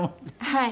はい。